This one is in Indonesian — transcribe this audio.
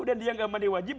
dan dia nggak mandi wajib